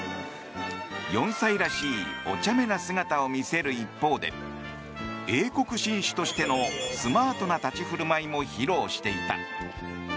４歳らしいおちゃめな姿を見せる一方で英国紳士としてのスマートな立ち振る舞いも披露していた。